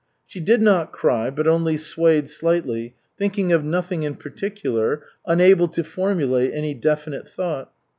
She did not cry, but only swayed slightly, thinking of nothing in particular, unable to formulate any definite thought.